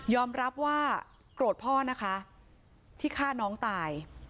รับว่าโกรธพ่อนะคะที่ฆ่าน้องตาย